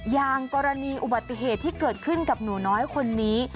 อย่างกรณีอุบัติเหตุที่เกิดขึ้นกับหนูน้อยคนนี้